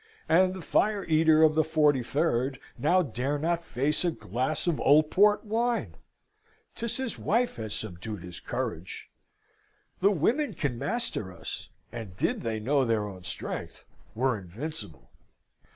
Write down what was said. And the fire eater of the 43rd now dare not face a glass of old port wine! 'Tis his wife has subdued his courage. The women can master us, and did they know their own strength, were invincible.